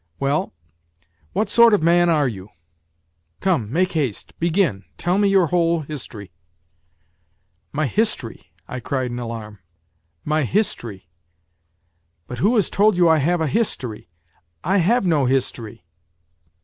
Well, what sort of man are you ? Come, make haste begin tell me your whole history." " My history !" I cried in alarm. " My history ! But who has told you I have a history ? I have no history.